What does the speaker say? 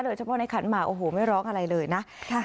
เฉพาะในขันหมากโอ้โหไม่ร้องอะไรเลยนะ